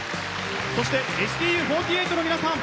そしてＳＴＵ４８の皆さん！